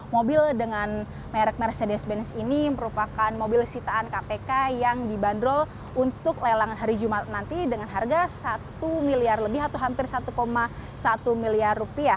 mobil dengan merek mercedes benz ini merupakan mobil sitaan kpk yang dibanderol untuk lelang hari jumat nanti dengan harga satu miliar lebih atau hampir rp satu satu miliar